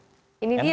ini dia kursi rodanya